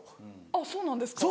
あっそうなんですか？